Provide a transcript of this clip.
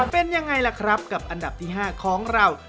เป็นยังไงล่ะครับกับอันดับที่๕ของเรา